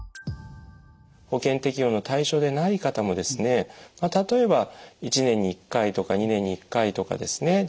保険適用の対象でない方もですねまあ例えば１年に１回とか２年に１回とかですね